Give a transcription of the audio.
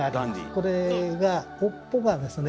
これが尾っぽがですね